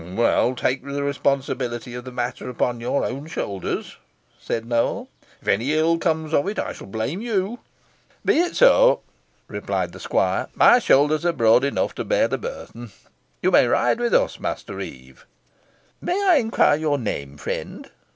"Well, take the responsibility of the matter upon your own shoulders," said Nowell; "if any ill comes of it I shall blame you." "Be it so," replied the squire; "my shoulders are broad enough to bear the burthen. You may ride with us, master reeve." "May I inquire your name, friend?"